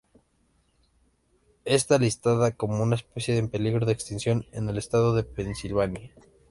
Está listada como una especie en peligro de extinción en el estado de Pensilvania.